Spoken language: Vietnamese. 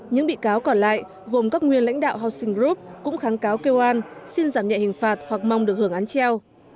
những bị cáo còn lại gồm các nguyên lãnh đạo housing group cũng kháng cáo kêu an xin giảm nhẹ hình phạt hoặc mong được hưởng án treo